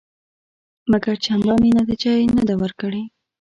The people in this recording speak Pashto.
مګر چندانې نتیجه یې نه ده ورکړې.